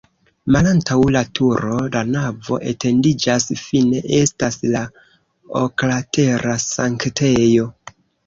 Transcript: Malantaŭ la turo la navo etendiĝas, fine estas la oklatera sanktejo.